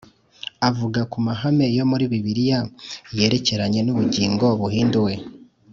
avuga ku mahame yo muri Bibiliya yerekeranye n'ubugingo buhinduwe.